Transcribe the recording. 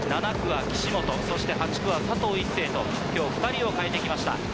７区は岸本そして８区は佐藤一世と今日２人を変えて来ました。